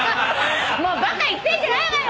「もうバカ言ってんじゃないわよ」